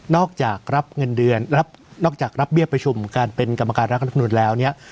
จากรับเงินเดือนรับนอกจากรับเบี้ยประชุมการเป็นกรรมการรัฐมนุนแล้วเนี่ย